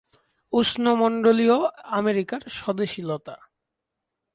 উষ্ণমন্ডলীয় আমেরিকার স্বদেশী লতা।